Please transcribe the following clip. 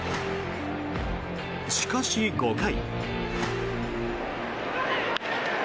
しかし、５回。